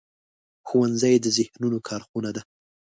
ښوونځی د ذهنونو کارخونه ده